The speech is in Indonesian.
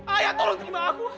ayah tolong terima aku